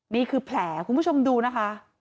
นี่คือแผลคุณผู้ชมดูนะคะ